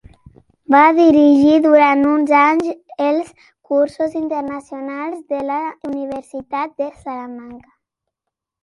Va dirigir durant uns anys els cursos internacionals de la Universitat de Salamanca.